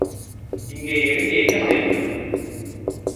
இங்கே இறங்கி என்ன செய்வது?